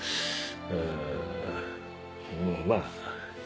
うんまぁ。